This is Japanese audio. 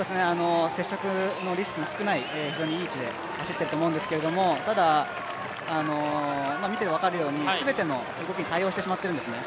接触のリスクの少ない非常にいい位置で走ってると思うんですけどただ、見て分かるように全ての動きに対応してしまってるんですね。